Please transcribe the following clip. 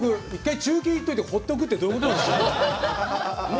中継にいっておいてほっておくってどういうことなんでしょう。